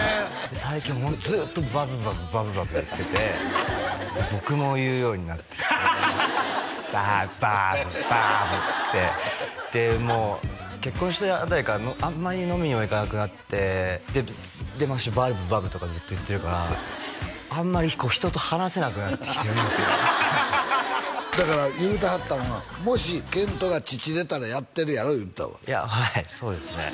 最近ホントずっとバブバブバブバブ言ってて僕も言うようになってバーブバーブバーブっつってでもう結婚したあたりからあんまり飲みにも行かなくなってでバブバブとかずっと言ってるからあんまり人と話せなくなってきてうまくだから言うてはったのはもし遣都が乳出たらやってるやろ言うてたわはいそうですね